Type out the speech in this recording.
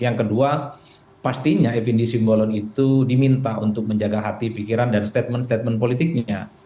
yang kedua pastinya fnd simbolon itu diminta untuk menjaga hati pikiran dan statement statement politiknya